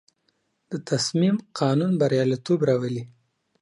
د تصمیم قانون بریالیتوب راولي.